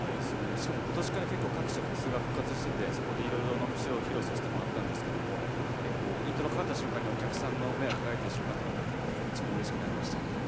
しかも今年から結構各所フェスが復活しててそこで「のびしろ」披露させてもらったんですけども結構イントロかかった瞬間にお客さんの目が輝いてる瞬間とか見れてこっちもうれしくなりましたね。